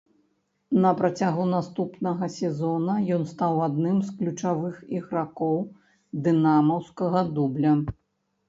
На працягу наступнага сезона ён стаў адным з ключавых ігракоў дынамаўскага дубля.